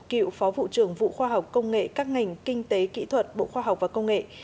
cựu phó vụ trưởng vụ khoa học công nghệ các ngành kinh tế kỹ thuật bộ khoa học và công nghệ